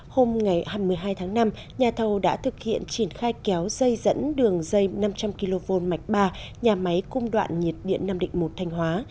hôm hai mươi hai tháng năm nhà thầu đã thực hiện triển khai kéo dây dẫn đường dây năm trăm linh kv mạch ba nhà máy cung đoạn nhiệt điện năm định một thanh hóa